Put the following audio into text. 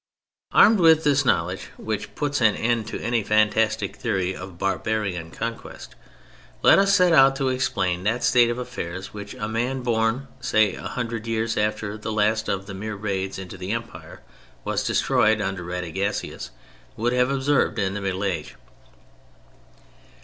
Armed with this knowledge (which puts an end to any fantastic theory of barbarian "conquest"), let us set out to explain that state of affairs which a man born, say, a hundred years after the last of the mere raids into the Empire was destroyed under Radagasius, would have observed in middle age.